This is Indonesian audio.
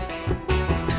ini mbak mbak ketinggalan